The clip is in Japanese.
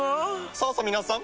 さぁさ皆さん！